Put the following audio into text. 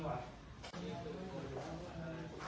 สวัสดีครับทุกคน